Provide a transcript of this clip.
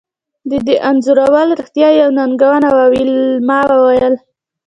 د دې انځورول رښتیا یوه ننګونه وه ویلما وویل